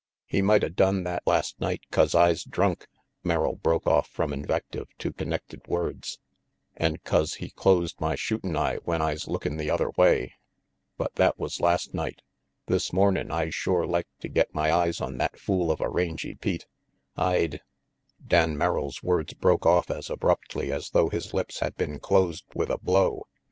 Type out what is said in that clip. "He mighta done that last night 'cause Fs drunk," Merrill broke off from invective to connected words, "an* 'cause he closed my shootin' eye when Fs lookin' the other way. But that was last night. This mornin' I'd shore like to get my eyes on that fool of a Rangy Pete. I'd " Dan Merrill's words broke off as abruptly as though his lips had been closed with a blow.